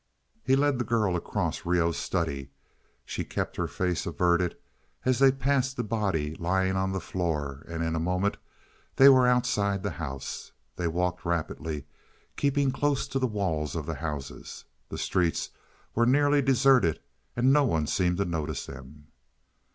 He led the girl across Reoh's study. She kept her face averted as they passed the body lying on the floor, and in a moment they were outside the house. They walked rapidly, keeping close to the walls of the houses. The streets were nearly deserted and no one seemed to notice them.